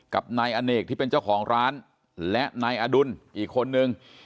กับนายอเนกที่เป็นเจ้าของร้านและนายอดุลอีกคนนึง